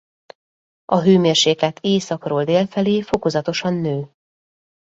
A hőmérséklet északról dél felé fokozatosan nő.